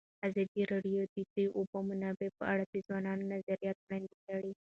ازادي راډیو د د اوبو منابع په اړه د ځوانانو نظریات وړاندې کړي.